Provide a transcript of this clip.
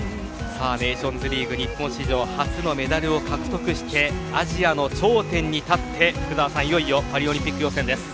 ネーションズリーグ日本史上初のメダルを獲得してアジアの頂点に立って福澤さん、いよいよパリオリンピック予選です。